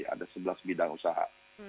ada sebelas bidang usaha